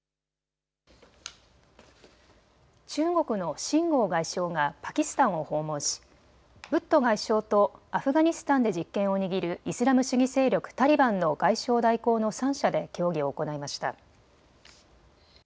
中国の秦剛外相がパキスタンを訪問しブット外相とアフガニスタンで実権を握るイスラム主義勢力タリバンの外相代行の３者で協議を行いました。